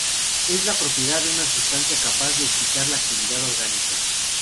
Es la propiedad de una sustancia capaz de excitar la actividad orgánica.